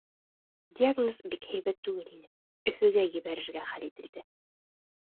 Диагноз бик һәйбәт түгел ине, Өфөгә ебәрергә хәл ителде.